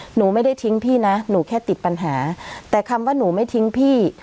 หนูไม่ได้ทิ้งพี่นะหนูแค่ติดปัญหาแต่คำว่าหนูไม่ทิ้งพี่